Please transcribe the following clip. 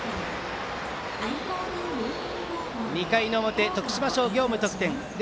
２回の表、徳島商業無得点。